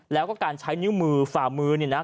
แล้วก็การใช้นิ้วมือฝ่ามือเนี่ยนะ